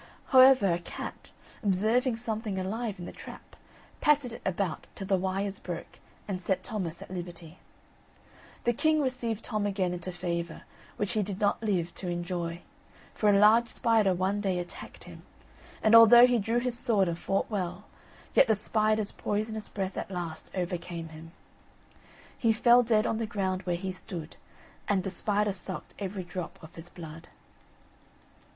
However a cat, observing something alive in the trap, patted it about till the wires broke, and set Thomas at liberty. The king received Tom again into favour, which he did not live to enjoy, for a large spider one day attacked him; and although he drew his sword and fought well, yet the spider's poisonous breath at last overcame him. He fell dead on the ground where he stood, And the spider suck'd every drop of his blood.